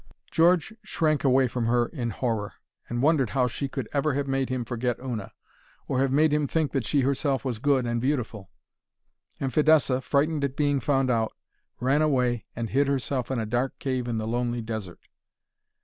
George shrank away from her in horror, and wondered how she could ever have made him forget Una, or have made him think that she herself was good and beautiful. And Fidessa, frightened at being found out, ran away and hid herself in a dark cave in the lonely desert.